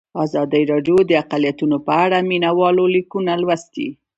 ازادي راډیو د اقلیتونه په اړه د مینه والو لیکونه لوستي.